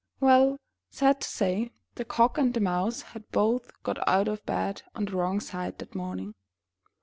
Well, sad to say, the Cock and the Mouse had both got out of bed on the wrong side that morning.